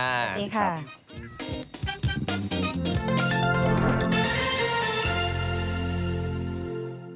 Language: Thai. สวัสดีค่ะสวัสดีค่ะ